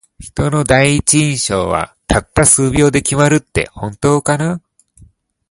人の第一印象は、たった数秒で決まるって本当かな。